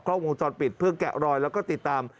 เคราะห์วงจอดปิดเพื่อแกะรอยแล้วก็ติดตาม